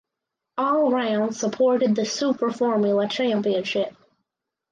All rounds supported the Super Formula Championship.